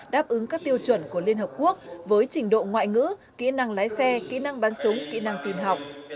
đáp ứng các tiêu chuẩn của liên hợp quốc với trình độ ngoại ngữ kỹ năng lái xe kỹ năng bắn súng kỹ năng tin học